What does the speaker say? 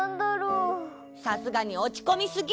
さすがにおちこみすぎ！